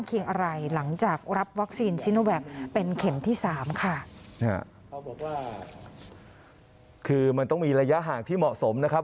คือมันต้องมีระยะห่างที่เหมาะสมนะครับ